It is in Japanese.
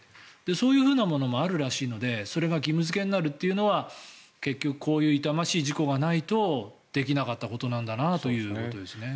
そういうふうなものもあるらしいのでそれが義務付けになるというのは結局、こういう痛ましい事故がないとできなかったことなんだなということですね。